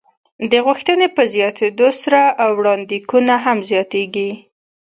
د غوښتنې په زیاتېدو سره وړاندېکونه هم زیاتېږي.